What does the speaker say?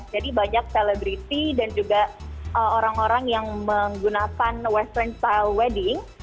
jadi banyak selebriti dan juga orang orang yang menggunakan western style wedding